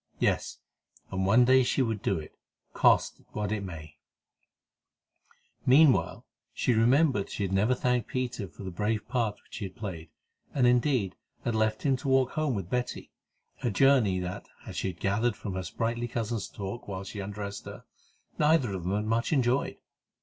Yes, and one day she would do it, cost what it might. Meanwhile, she remembered that she had never thanked Peter for the brave part which he had played, and, indeed, had left him to walk home with Betty, a journey that, as she gathered from her sprightly cousin's talk while she undressed her, neither of them had much enjoyed.